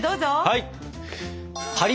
はい！